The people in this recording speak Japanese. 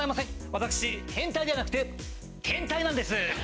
私変態じゃなくて天体なんです。